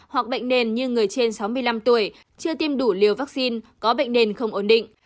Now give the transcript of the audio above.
hoặc bệnh nền như người trên sáu mươi năm tuổi chưa tiêm đủ liều vaccine có bệnh nền không ổn định